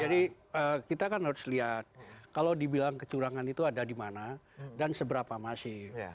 jadi kita kan harus lihat kalau dibilang kecurangan itu ada di mana dan seberapa masih